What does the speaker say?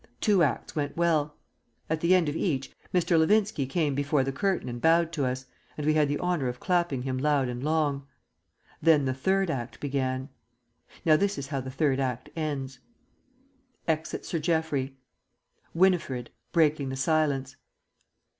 Two acts went well. At the end of each Mr. Levinski came before the curtain and bowed to us, and we had the honour of clapping him loud and long. Then the Third Act began.... Now this is how the Third Act ends: Exit Sir Geoffrey. _Winifred (breaking the silence).